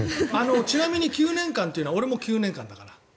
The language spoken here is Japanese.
ちなみに９年間というのは俺も９年間だから。